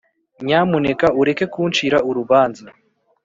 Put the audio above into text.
nyamuneka ureke kuncira urubanza